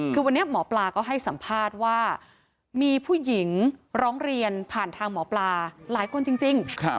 คือวันนี้หมอปลาก็ให้สัมภาษณ์ว่ามีผู้หญิงร้องเรียนผ่านทางหมอปลาหลายคนจริง